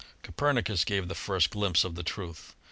Copernicus gave the first glimpse of the truth.